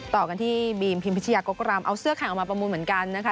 ต่อกันที่บีมพิมพิชยากกรำเอาเสื้อแข่งมาประมูลเหมือนกันนะคะ